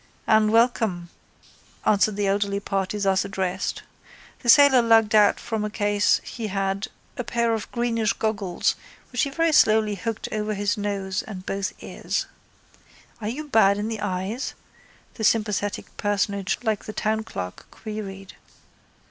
—And welcome, answered the elderly party thus addressed. The sailor lugged out from a case he had a pair of greenish goggles which he very slowly hooked over his nose and both ears. —Are you bad in the eyes? the sympathetic personage like the townclerk queried.